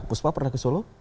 puspa pernah ke solo